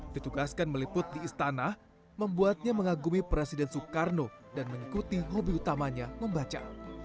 ditugaskan meliput di istana membuatnya mengagumi presiden soekarno dan mengikuti hobi utamanya membaca